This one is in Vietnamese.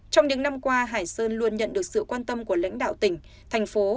trong những năm qua hải sơn luôn nhận được sự quan tâm của lãnh đạo tỉnh thành phố